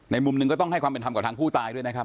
มุมหนึ่งก็ต้องให้ความเป็นธรรมกับทางผู้ตายด้วยนะครับ